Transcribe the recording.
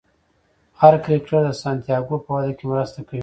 هر کرکټر د سانتیاګو په وده کې مرسته کوي.